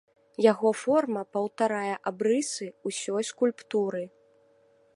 Яго форма паўтарае абрысы ўсёй скульптуры.